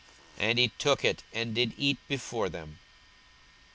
42:024:043 And he took it, and did eat before them.